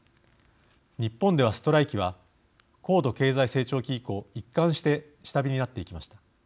日本では、ストライキは高度経済成長期以降一貫して下火になっていきました。